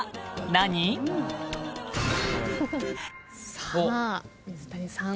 さあ水谷さん。